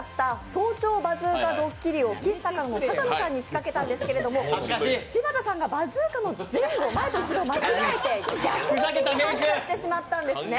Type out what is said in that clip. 早朝バズーカドッキリをきしたかのの高野さんに仕掛けたんですけれども、柴田さんがバズーカの前後を間違えて逆向きに発射してしまったんですね。